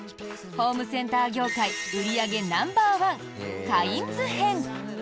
ホームセンター業界売り上げナンバーワンカインズ編。